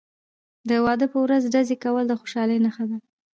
د واده په ورځ ډزې کول د خوشحالۍ نښه ده.